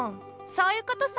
そういうことさ。